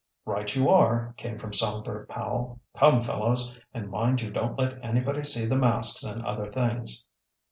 "Right you are," came from Songbird Powell. "Come, fellows, and mind you don't let anybody see the masks and other things."